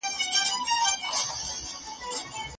که ښوونه واضح وي، ابهام نه پیدا کېږي.